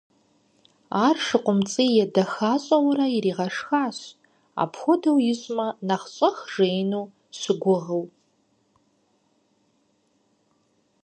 Ар ШыкъумцӀий едэхащӀэурэ иригъэшхащ, ипхуэдэу ищӀми нэхъ щӀэх жеину щыгугъыу.